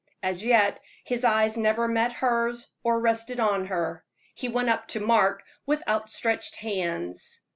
As yet his eyes never met hers or rested on her. He went up to Mark with outstretched hands.